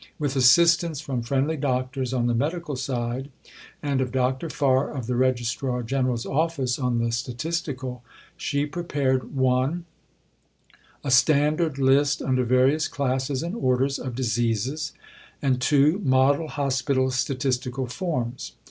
With assistance from friendly doctors on the medical side, and of Dr. Farr, of the Registrar General's Office, on the statistical, she prepared (1) a standard list, under various Classes and Orders, of diseases, and (2) model Hospital Statistical Forms.